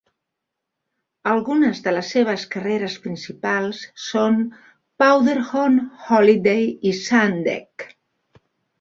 Algunes de les seves carreres principals són Powderhorn, Holiday i Sun Deck.